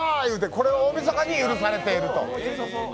これは大みそかに許されているという。